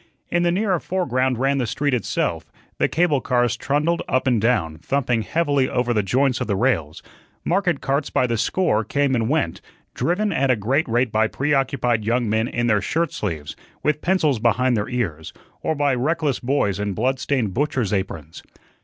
In the nearer foreground ran the street itself; the cable cars trundled up and down, thumping heavily over the joints of the rails; market carts by the score came and went, driven at a great rate by preoccupied young men in their shirt sleeves, with pencils behind their ears, or by reckless boys in blood stained butcher's aprons.